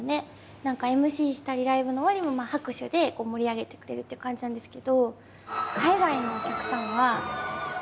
何かＭＣしたりライブの終わりも拍手で盛り上げてくれるっていう感じなんですけど。